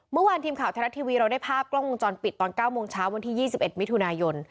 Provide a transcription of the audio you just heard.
เมื่อวานทีมข่าวไทยรัฐทีวีเราได้ภาพกล้องวงจรปิดตอน๙โมงเช้าวันที่๒๑มิถุนายน